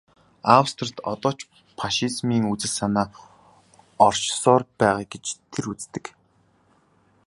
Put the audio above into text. Австрид одоо ч фашизмын үзэл санаа оршсоор байгаа гэж тэр үздэг.